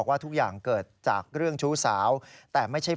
ได้รู้ว่าใครคนลงโทษอย่างนี้